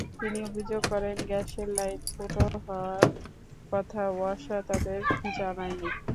তিনি অভিযোগ করেন, গ্যাসের লাইন ফুটো হওয়ার কথা ওয়াসা তাঁদের জানায়নি।